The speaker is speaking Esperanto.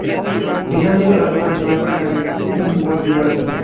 Vizaĝo agrabla kaj ungo diabla.